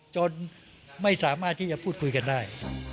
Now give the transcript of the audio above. จนไม่สามารถที่จะพูดคุยกันได้